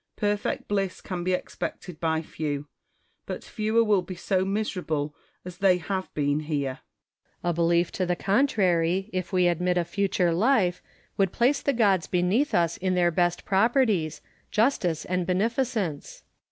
Perfect bliss can be expected by few ; but fewer will be so miserable as they have been here. Quinctus. A belief to the contrary, if we admit a futui'e life, would place the gods beneath us in their best properties — justice and beneficence.